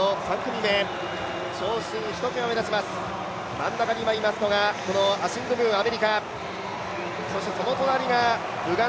真ん中にいますのがアシング・ムーアメリカ。